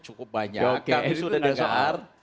cukup banyak kami sudah dengar